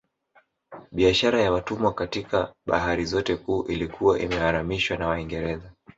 Biashara ya watumwa katika bahari zote kuu ilikuwa imeharamishwa na Waingereza